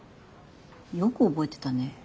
よく覚えてたね。